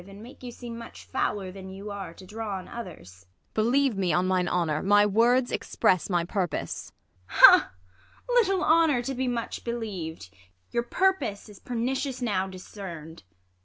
And make you seem much fouler than you are, To draw on others. Ang. Believe me on mine honour, My words express my purpose. ISA. Ha ! little honour to be much believ'd, Your purpose is jDernicious now discern 'd.